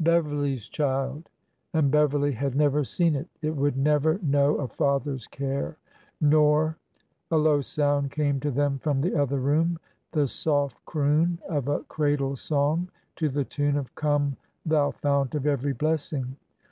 Beverly's child! And Beverly had never seen it! It would never know a father's care, nor— A low sound came to them from the other room— the soft croon of a cradle song to the tune of Come, thou fount of every blessing."